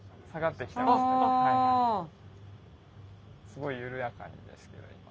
すごい緩やかにですけど今。